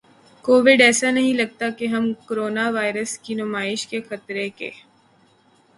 Covid ایسا نہیں لگتا کہ ہم کورونا وائرس کی نمائش کے خطرے ک